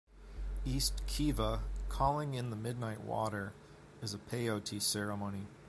"East Kiva, 'Calling in the Midnight Water" is a Peyote ceremony.